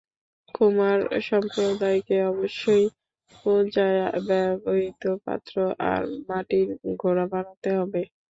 কুমার সম্প্রদায়কে অবশ্যই পূজায় ব্যবহৃত পাত্র আর মাটির ঘোড়া বানাতে হবে।